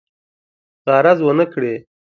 غرض ونه کړي.